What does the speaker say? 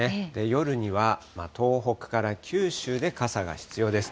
夜には、東北から九州で傘が必要です。